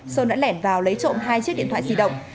sơn đã lẻn vào lấy trộm hai chiếc điện thoại di động